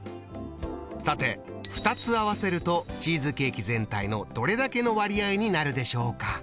さて２つ合わせるとチーズケーキ全体のどれだけの割合になるでしょうか？